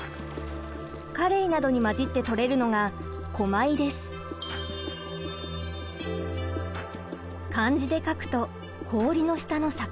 カレイなどに交じって取れるのが漢字で書くと氷の下の魚。